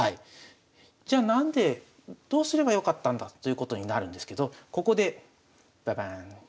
じゃあ何でどうすればよかったんだということになるんですけどここでババーン。